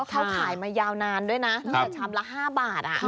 เขาขายมายาวนานด้วยนะตั้งแต่ชามละ๕บาท